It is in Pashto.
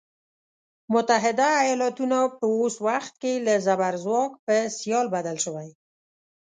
متحده ایالتونه په اوس وخت کې له زبرځواک په سیال بدل شوی.